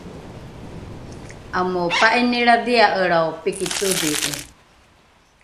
amopa’inilradhia’elrao piki todhi’i